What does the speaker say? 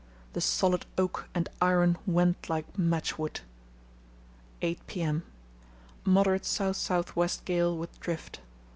The solid oak and iron went like matchwood. 8 p.m.—Moderate south south west gale with drift.